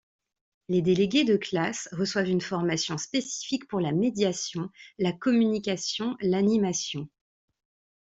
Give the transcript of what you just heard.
Les délégués de classe reçoivent une formation spécifique pour la médiation, la communication, l'animation.